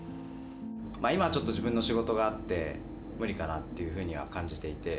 今はちょっと自分の仕事があって無理かなっていうふうには感じていて。